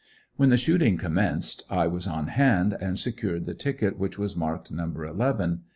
When the shooting commenced I was on hand and secured the ticket which was marked number eleven.